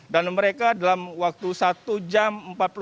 dan mereka dalam waktu satu jam empat puluh empat